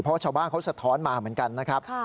เพราะชาวบ้านเขาสะท้อนมาเหมือนกันนะครับ